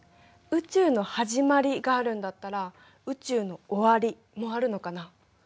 「宇宙のはじまり」があるんだったら「宇宙の終わり」もあるのかな？